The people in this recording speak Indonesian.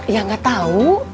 ya gak tahu